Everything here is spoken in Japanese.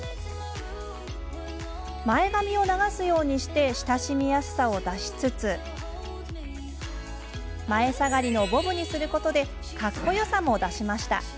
前髪を流すようにして親しみやすさを出しつつ前下がりのボブにすることでかっこよさも出しました。